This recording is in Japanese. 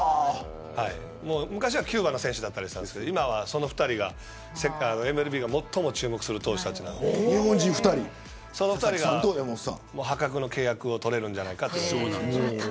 昔はキューバの選手だったりしたんですけど今は、この２人がＭＬＢが最も注目する投手なんで破格の契約を取れるんじゃないかと言われています。